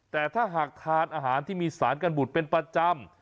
แต่ถ้าหากทานอาหารที่มีสารกันบุตรเป็นประจำ